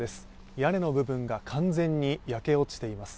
屋根の部分が完全に焼け落ちています。